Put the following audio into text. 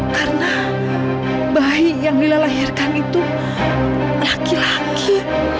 karena bayi yang lila lahirkan itu laki laki